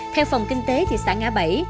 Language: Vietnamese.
theo phòng kinh tế thị xã ngã bẫy